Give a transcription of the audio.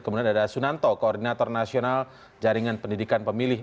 kemudian ada sunanto koordinator nasional jaringan pendidikan pemilih